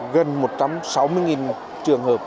gần một trăm sáu mươi trường hợp